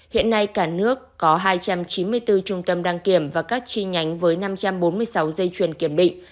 hiện nay cả nước có hai trăm chín mươi bốn trung tâm đăng kiểm và các chi nhánh với năm trăm bốn mươi sáu dây chuyền kiểm định